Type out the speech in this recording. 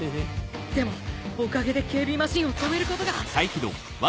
でもおかげで警備マシンを止めることが。